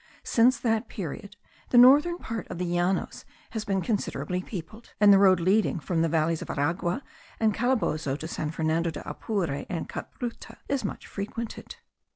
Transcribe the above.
Since that period the northern part of the Llanos has been considerably peopled; and the road leading from the valleys of Aragua by Calabozo to San Fernando de Apure and Cabruta is much frequented.